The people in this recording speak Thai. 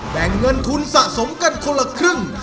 แบ่งเงินทุนสะสมกันคนละครึ่ง